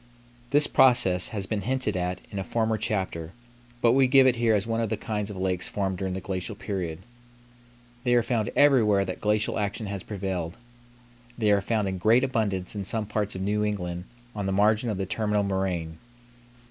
This process has been hinted at in a former chapter, but we give it here as one of the kinds of lakes formed during the glacial period. They are found everywhere that glacial action has prevailed. They are found in great abundance in some parts of New England on the margin of the terminal moraine.